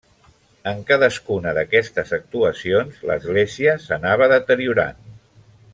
En cadascuna d'aquestes actuacions, l'església s'anava deteriorant.